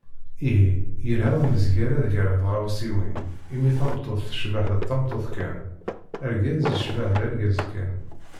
Ihi, yelha usemgarad gar tɣawsiwin, imi tameṭṭut tecbeḥ d tameṭṭut kan, argaz yecbeḥ d argaz kan.